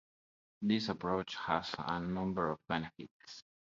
This approach has a number of benefits.